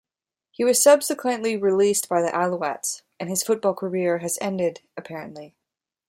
He was subsequently released by the Alouettes, and his football career has apparently ended.